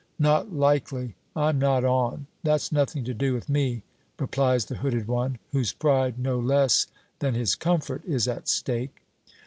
"Not likely! I'm not on. That's nothing to do with me," replies the hooded one, whose pride no less than his comfort is at stake.